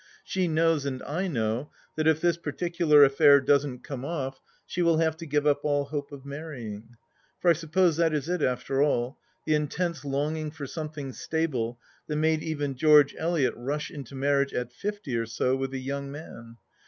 She knows, and I know, that if this particular affair doesn't come off, she will have to give up all hope of marrying. For I suppose that is it, after all — ^the intense longing for something stable that made even George Eliot rush into marriage at fifty or so with a young man.